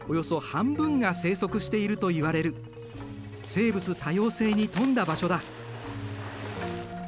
生物多様性に富んだ場所だ。